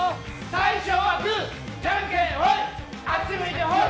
最初はグーじゃんけんホイあっち向いてホイ。